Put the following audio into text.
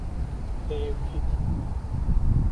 Te ew dît